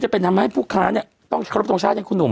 เป็นทำให้ผู้ค้าเนี่ยต้องเคารพทรงชาติอย่างคุณหนุ่ม